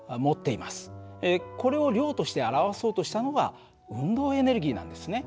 これを量として表そうとしたのが運動エネルギーなんですね。